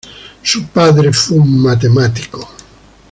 Su padre fue un matemático.